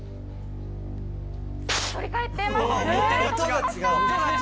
反り返っています。